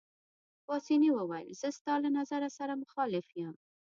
پاسیني وویل: زه ستا له نظر سره مخالف یم.